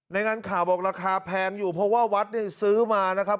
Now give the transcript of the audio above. รายงานข่าวบอกราคาแพงอยู่เพราะว่าวัดเนี่ยซื้อมานะครับ